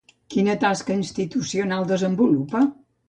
Quina tasca institucional desenvolupa?